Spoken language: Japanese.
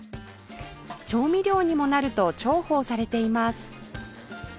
調味料にもなると重宝されています